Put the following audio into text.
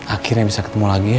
akhirnya bisa ketemu lagi ya